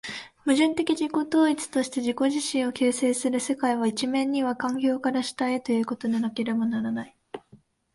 矛盾的自己同一として自己自身を形成する世界は、一面には環境から主体へということでなければならない。